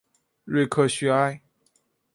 瑞克叙埃。